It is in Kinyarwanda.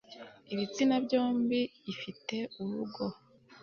ibitsina byombi ifite urugo